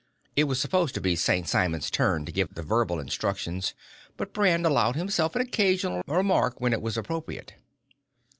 It was supposed to be St. Simon's turn to give the verbal instructions, but Brand allowed himself an occasional remark when it was appropriate.